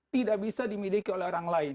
tidak bisa dimiliki oleh orang lain